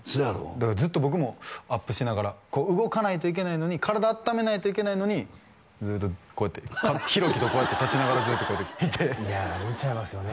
だからずっと僕もアップしながら動かないといけないのに体あっためないといけないのにずーっとこうやって弘貴とこうやって立ちながらずっといやあ見ちゃいますよね